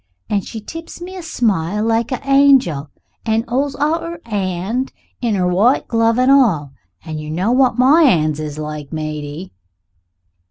And she tips me a smile like a hangel and 'olds out 'er hand in 'er white glove and all and yer know what my 'ands is like, matey."